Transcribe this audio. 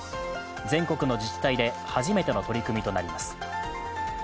全国の自治体で初めての取り組みとなります。